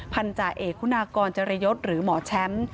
พันธาเอกคุณากรเจริยศหรือหมอแชมป์